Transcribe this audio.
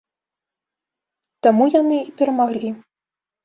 Таму яны і перамаглі.